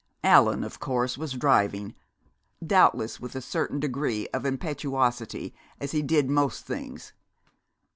"Allan, of course, was driving, doubtless with a certain degree of impetuosity, as he did most things....